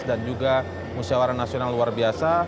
dan juga musyawaran nasional luar biasa